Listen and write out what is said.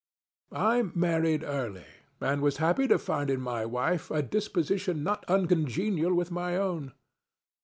I married early, and was happy to find in my wife a disposition not uncongenial with my own.